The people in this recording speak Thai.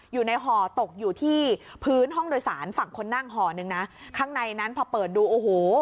อยู่ในห่อตกอยู่ที่ครั้งในนั้นพอเปิดดูโอ้โห